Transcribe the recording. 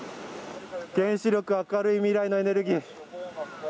「原子力明るい未来のエネルギー」。